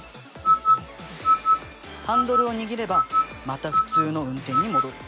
ハンドルを握ればまた普通の運転に戻る。